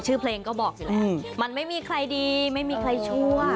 ชื่อเพลงก็บอกอยู่แล้วมันไม่มีใครดีไม่มีใครชั่ว